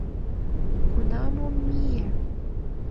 Кунам ом мие!